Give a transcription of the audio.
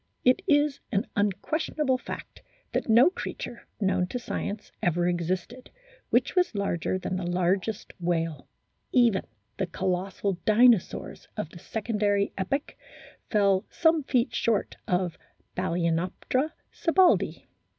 It is an unquestionable fact that no creature, known to science, ever existed f which was larger than the largest whale ; even the colossal Dinosaurs of the secondary epoch fell some feet short of Balcenoptera sibbaldii.